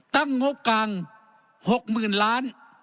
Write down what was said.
ตั้งงบกลาง๖๐๐๐๐๐๐๐ล้าน